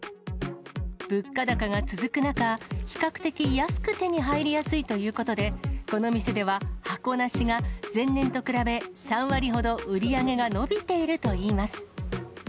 物価高が続く中、比較的安く手に入りやすいということで、この店では、箱なしが前年と比べ、３割ほど売り上げが伸びているといいます。